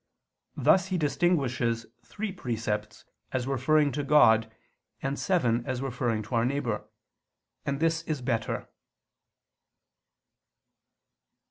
Thus he distinguishes three precepts as referring to God, and seven as referring to our neighbor. And this is better.